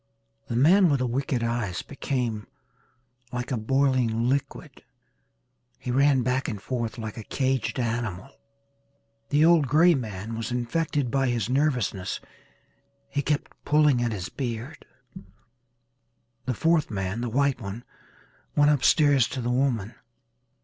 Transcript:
The man with the wicked eyes became like a boiling liquid he ran back and forth like a caged animal. The old grey man was infected by his nervousness he kept pulling at his beard. The fourth man, the white one, went upstairs to the woman.